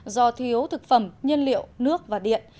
do thiếu thực phẩm nhân liệu nước và điện